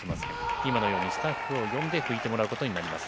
今のようにスタッフを呼んで、拭いてもらうことになります。